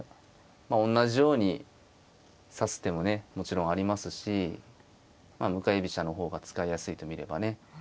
おんなじように指す手もねもちろんありますし向かい飛車の方が使いやすいと見ればね。